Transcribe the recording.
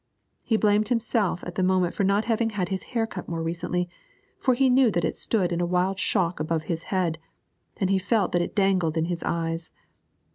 He blamed himself at the moment for not having had his hair cut more recently, for he knew that it stood in a wild shock above his head, and he felt that it dangled in his eyes.